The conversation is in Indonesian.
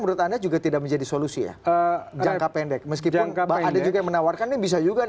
menurut anda juga tidak menjadi solusi jangka pendek meskipun kata kata juga menawarkan ini bisa juga